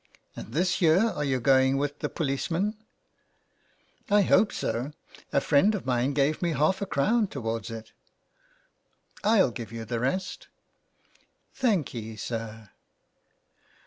'^ And this year are you going with the policeman?" " I hope so, a friend of mine gave me half a crown towards it." *' ril give you the rest." " Thankee, sir."